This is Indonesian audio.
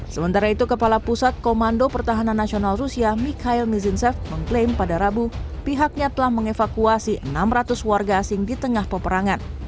sementara itu kepala pusat komando pertahanan nasional rusia mikhail mizinsev mengklaim pada rabu pihaknya telah mengevakuasi enam ratus warga asing di tengah peperangan